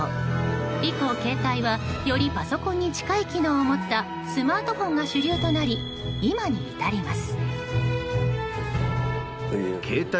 以降、携帯はよりパソコンに近い機能を持ったスマートフォンが主流となり今に至ります。